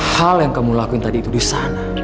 hal yang kamu lakuin tadi itu di sana